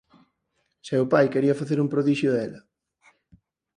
Seu pai quería "facer un prodixio" dela.